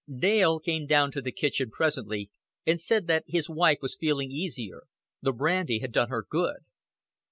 Dale came down to the kitchen presently, and said that his wife was feeling easier; the brandy had done her good.